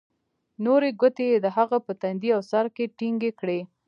نورې گوتې يې د هغه په تندي او سر کښې ټينگې کړې.